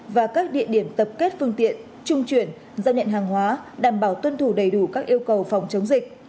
và các địa điểm tập kết phương tiện trung chuyển giao nhận hàng hóa đảm bảo tuân thủ đầy đủ các yêu cầu phòng chống dịch